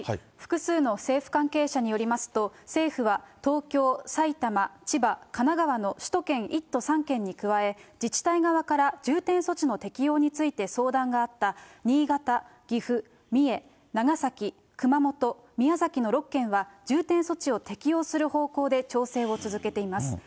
複数の政府関係者によりますと、政府は東京、埼玉、千葉、神奈川の首都圏１都３県に加え、自治体側から重点措置の適用について相談があった新潟、岐阜、三重、長崎、熊本、宮崎の６県は重点措置を適用する方向で調整を続けています。